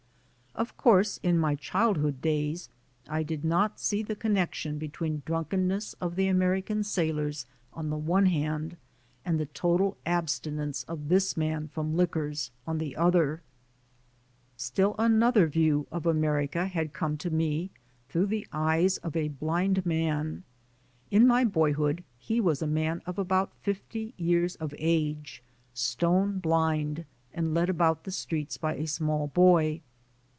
Of course, in my childhood days I did not see the con nection between drunkenness of the American sailors on the one hand and the total abstinence of this man from liquors on the other. Still another view of America had come to me through the eyes of a blind man. In my boyhood, he was a man of about fifty years of age; stone blind, and led about the streets by a small boy.